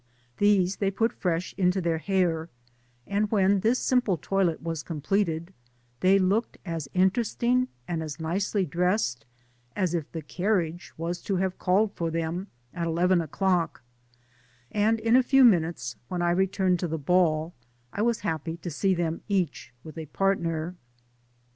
These they put fresh into their hak, and when this simple toilette was completed, they looked as interesting, and as nicely dressed, as if ^^ the carriage was to have called for them at eleven o'clock f ' and in a few minutes, when I returned to the ball, I was happy to see them each with a partner.